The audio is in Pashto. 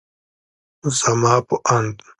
زما په اند